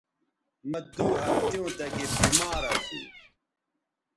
مہ دو ہفتیوں تکے بیمار اسو